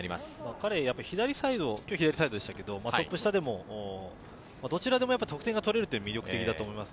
彼、左サイド、トップ下でも、どちらでも得点が取れるという魅力的だと思います。